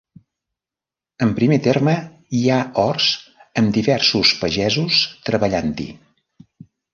En primer terme hi ha horts, amb diversos pagesos treballant-hi.